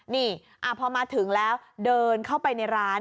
นี่พอมาถึงแล้วเดินเข้าไปในร้าน